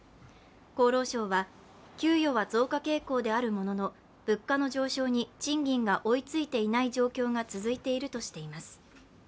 厚労省は給与は増加傾向であるものの物価の上昇に賃金が追いついていない状況が続いているとしています。